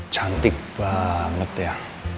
cantik banget ya